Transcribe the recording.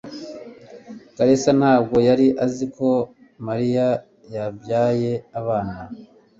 kalisa ntabwo yari azi ko mariya yabyaye abana